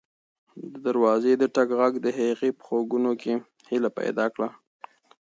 د دروازې د ټک غږ د هغې په غوږونو کې هیله پیدا کړه.